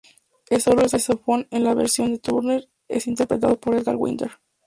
El solo de saxofón en la versión de Turner es interpretado por Edgar Winter.